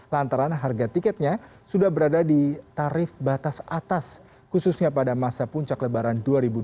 lantaran harga tiketnya sudah berada di tarif batas atas khususnya pada masa puncak lebaran dua ribu dua puluh